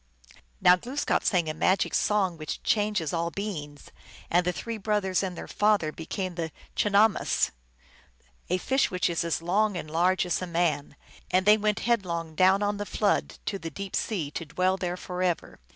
Now Glooskap sang a magic song, which changes all beings, and the three brothers and their father became the chinahmess, a fish which is as long and large as a man, and they went headlong down on the flood, to the deep sea, to dwell there forever.